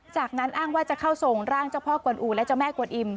จากนั้นอ้างว่าจะเข้าทรงร่างเจ้าพ่อกวนอูและเจ้าแม่กวนอิ่